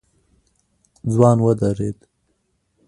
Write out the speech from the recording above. ځوان ودرېد.